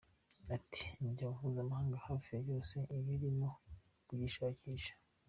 Ati "Imiryango mpuzamahanga hafi ya yose iba irimo kugishakisha.